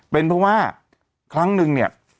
เป็นเพราะว่าครั้งนึงเนี่ย